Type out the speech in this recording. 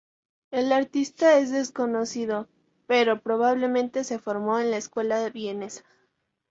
El artista es desconocido, pero probablemente se formó en la escuela vienesa.